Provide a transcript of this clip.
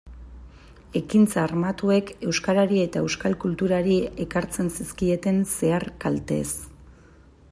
Ekintza armatuek euskarari eta euskal kulturari ekartzen zizkieten zehar-kalteez.